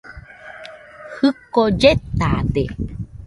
Jɨko lletade.